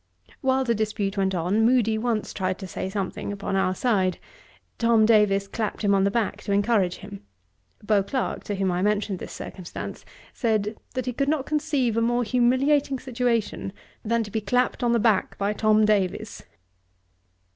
While the dispute went on, Moody once tried to say something upon our side. Tom Davies clapped him on the back, to encourage him. Beauclerk, to whom I mentioned this circumstance, said, 'that he could not conceive a more humiliating situation than to be clapped on the back by Tom Davies.'